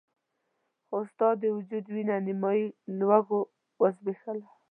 خو ستا د وجود وينه نيمایي لوږو وزبېښله.